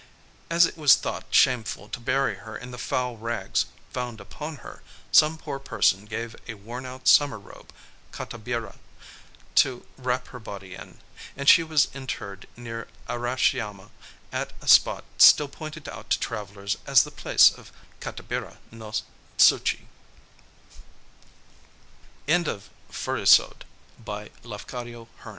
As it was thought shameful to bury her in the foul rags found upon her, some poor person gave a wornout summer robe (katabira) to wrap her body in; and she was interred near Arashiyama at a spot still pointed out to travellers as the "Place of the Katabira" (Katabira no Tsuchi). Incense I I see, risin